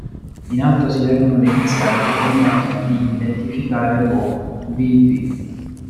In alto si leggono le iniziali che permettono di identificare l'uomo: "V V".